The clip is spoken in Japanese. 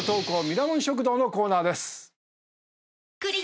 ミラモン食堂のコーナーです。